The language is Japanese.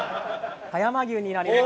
葉山牛になります。